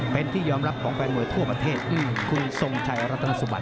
เป็นที่ยอมรับของแฟนมวยทั่วประเทศคุณทรงชัยรัตนสุบัน